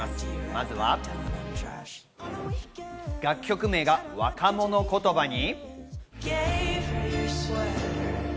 まずは、楽曲名が若者言葉に！？